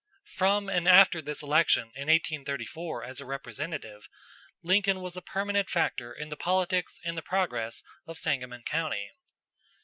From and after this election in 1834 as a representative, Lincoln was a permanent factor in the politics and the progress of Sangamon County.